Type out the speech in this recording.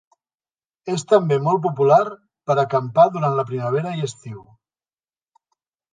És també molt popular per acampar durant la primavera i estiu.